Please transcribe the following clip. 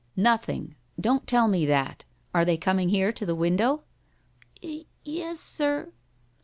"Nothing! Don't tell me that. Are they coming here to the window?" "Y e s, sir."